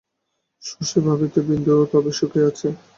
শশী ভাবিত, বিন্দু তবে সুখেই আছে!